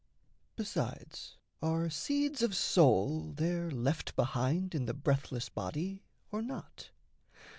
Besides are seeds of soul there left behind In the breathless body, or not?